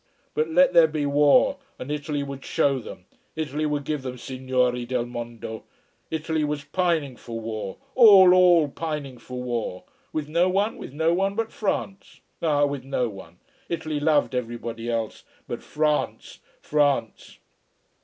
But let there be war, and Italy would show them. Italy would give them signori del mondo! Italy was pining for war all, all, pining for war. With no one, with no one but France. Ah, with no one Italy loved everybody else but France! France!